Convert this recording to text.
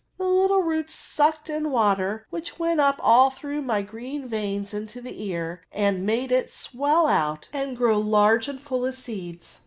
The little roots sucked in water, which went, up all through my green veins into the ear, and made it swell out and ^ow large and full of seeds.